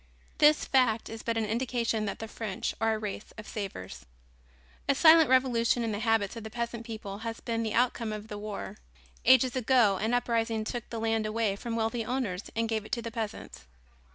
This fact is but an indication that the French are a race of savers. A silent revolution in the habits of the peasant people has been the outcome of the war. Ages ago an uprising took the land away from wealthy owners and gave it to the peasants.